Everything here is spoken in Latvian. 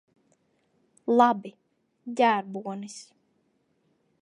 Labi. Ģērbonis.